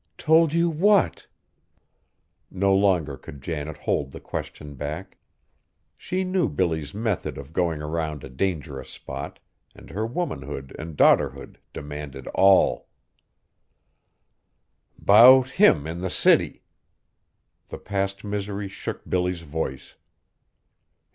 "Told you what?" No longer could Janet hold the question back. She knew Billy's method of going around a dangerous spot, and her womanhood and daughterhood demanded all. "'Bout him in the city!" The past misery shook Billy's voice.